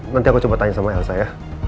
nanti aku coba tanya sama elsa ya